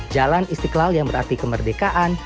jalan istiqlal yang berarti kemerdekaan